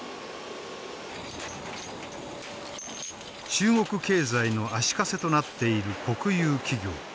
中国経済の足かせとなっている国有企業。